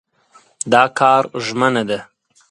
دا کار ژمنه ده.